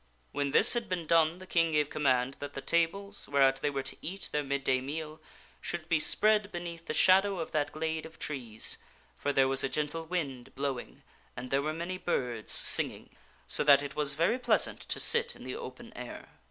When this had been done, the King gave command that the tables, 282 THE STORY OF SIR GAWAINE whereat they were to eat their mid day meal, should be spread beneath the shadow of that glade of trees ; for there was a gentle wind blowing and there were many birds singing, so that it was very pleasant to sit in the open air.